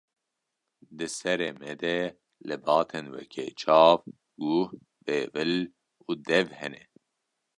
Di serê me de lebatên weke: çav, guh, bêvil û dev hene.